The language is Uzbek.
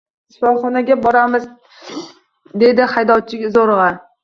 Shifoxonaga boramiz dedi haydovchiga zo‘rg‘a.